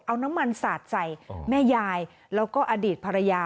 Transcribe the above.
เอาน้ำมันสาดใส่แม่ยายแล้วก็อดีตภรรยา